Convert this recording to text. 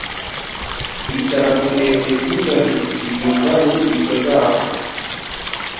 Yicara ku birenge by'izo ntiti, yumva inyigisho zabo.